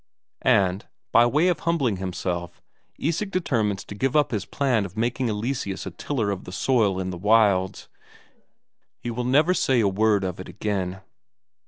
And, by way of humbling himself, Isak determines to give up his plan of making Eleseus a tiller of soil in the wilds; he will never say a word of it again.